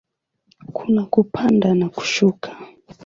Kuna kupanda na kushuka.